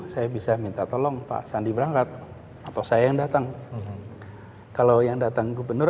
saya bisa minta tolong pak sandi berangkat atau saya yang datang kalau yang datang gubernur